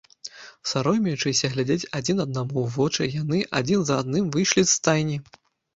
Саромеючыся глядзець адзін аднаму ў вочы, яны, адзін за адным, выйшлі з стайні.